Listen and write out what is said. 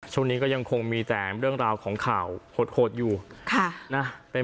ช่วงนี้ก็ยังคงมีแต่เรื่องราวของข่าวโหดอยู่ค่ะนะ